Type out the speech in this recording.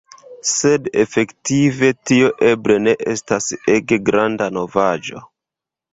Sed efektive tio eble ne estas ege granda novaĵo.